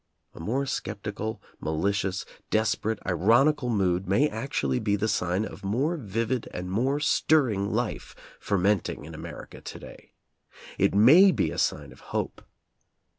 A more skeptical, malicious, desperate, ironical mood may actually be the sign of more vivid and more stirring life fermenting in America to day. It may be a sign of hope.